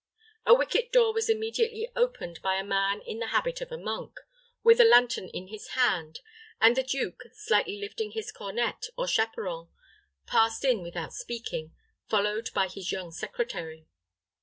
A wicket door was immediately opened by a man in the habit of a monk, with a lantern in his hand, and the duke, slightly lifting his cornette, or chaperon, passed in without speaking, followed by his young secretary.